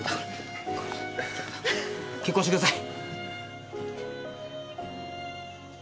結婚してください。